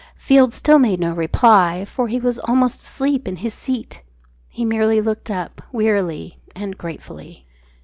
Field still made no reply, for he was almost asleep in his seat. He merely looked up wearily and gratefully.